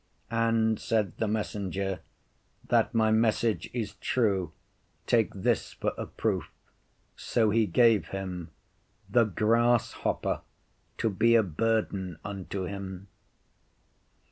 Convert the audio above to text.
And said the messenger, That my message is true, take this for a proof; so he gave him "The grasshopper to be a burden unto him."